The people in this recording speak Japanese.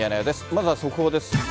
まずは速報です。